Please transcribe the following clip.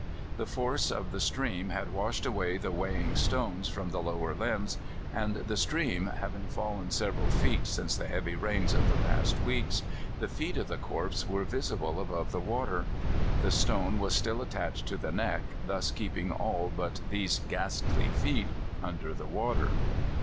The force of the stream had washed away the weighting stones from the lower limbs, and the stream having fallen several feet since the heavy rains of the past weeks, the feet of the corpse were visible above the water. The stone was still attached to the neck, thus keeping all but those ghastly feet under the water.